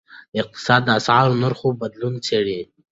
اقتصاد د اسعارو نرخونو بدلون څیړي.